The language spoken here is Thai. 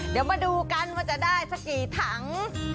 เดี๋ยวมาดูกันว่าจะได้สักกี่ถัง